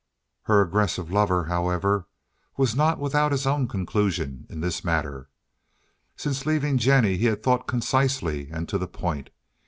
Her aggressive lover, however, was not without his own conclusion in this matter. Since leaving Jennie he had thought concisely and to the point.